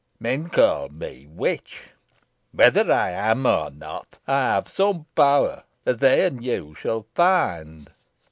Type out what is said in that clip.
Men call me witch. Whether I am so or not, I have some power, as they and you shall find.